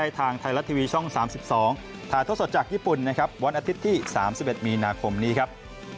วันที่๓๑มีนาคมครับมันแน่นอนครับ